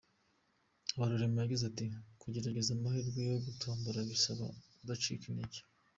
Habarurema yagize ati “Kugerageza amahirwe yo gutombora bisaba kudacika intege.